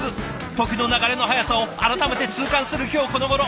時の流れの速さを改めて痛感する今日このごろ。